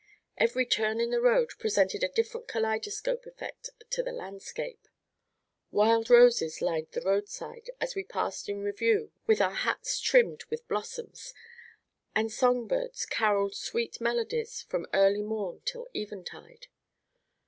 Every turn in the road presented a different kaleidoscopic effect to the landscape. Wild roses lined the roadside as we passed in review with our hats trimmed with blossoms, and songbirds caroled sweet melodies from early morn till eventide.